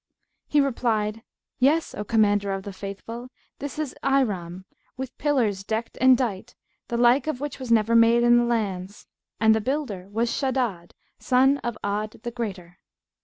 He replied, 'Yes, O Commander of the Faithful, this is 'Iram with pillars decked and dight, the like of which was never made in the lands,'[FN#169] and the builder was Shaddad son of Ad the Greater.'